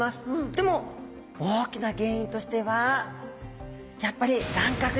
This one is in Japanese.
でも大きな原因としてはやっぱり乱獲ですね。